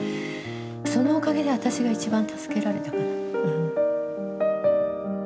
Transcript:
そのおかげで私が一番助けられたかな。